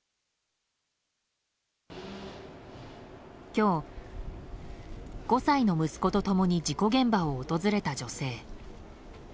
今日、５歳の息子と共に事故現場を訪れた女性。